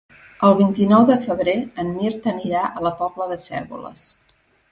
El vint-i-nou de febrer en Mirt anirà a la Pobla de Cérvoles.